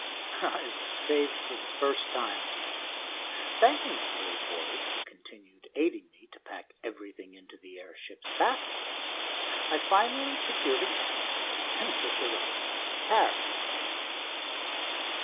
I was saved for the first time. Thanking the brave boys, who continued aiding me to pack everything into the air ship's basket, I finally secured a cab and took the relics back to Paris.